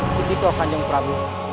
sindikoh kanjeng prabu